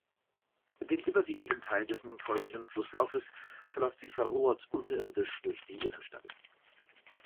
Den überwiegenden Teil des nun folgenden Flusslaufes verläuft sie verrohrt unterirdisch durch die Innenstadt.